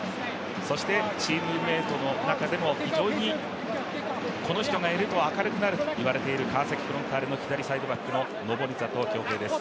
そしてチームメートの中でも非常にこの人がいると明るくなると言われている川崎フロンターレの左サイドバックの登里享平です。